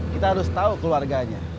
kita harus tau keluarganya